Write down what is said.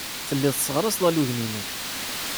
Telliḍ tesseɣraseḍ alugen-nnek.